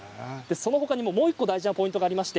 そのほかにも、もう１個大事なポイントがあります。